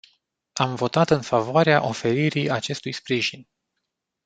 Am votat în favoarea oferirii acestui sprijin.